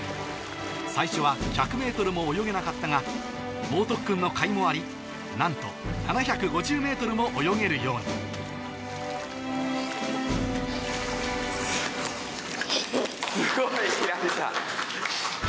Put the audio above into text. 最初は１００ｍも泳げなかったが猛特訓の甲斐もありなんと７５０ｍも泳げるようにすごい輝星さん。